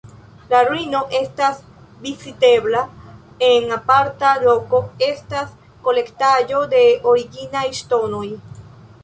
La ruino estas vizitebla, en aparta loko estas kolektaĵo de originaj ŝtonoj.